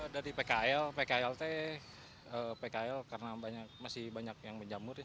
dari pkl pklt pkl karena masih banyak yang menjamur